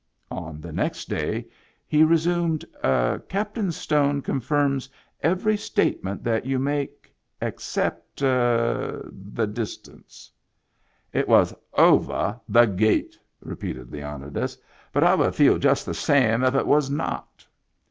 On the next day he resumed, "Captain Stone con firms every statement that you make, except — er — the distance." "It was ovah the gate," repeated Leonidas. " But I would feel just the same if it was not."